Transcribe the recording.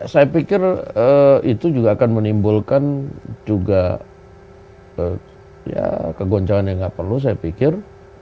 saya pikir itu juga akan menimbulkan juga kegoncangan yang nggak perlu saya pikir